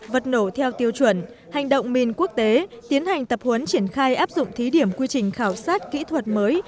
vật nổ theo tiêu chuẩn hành động mìn quốc tế tiến hành tập huấn triển khai áp dụng thí điểm quy trình khảo sát kỹ thuật mới